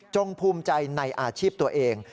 ภูมิใจในอาชีพตัวเอง